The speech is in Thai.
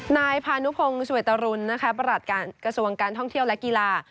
นายพานุพงศเวตรุณประหลัดการกระทรวงการท่องเที่ยวและกีฬา